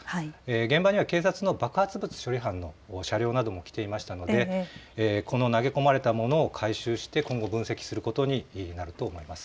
現場には警察の爆発物処理班などの車両なども来ていましたのでこの投げ込まれたものを回収して今後分析することになると思います。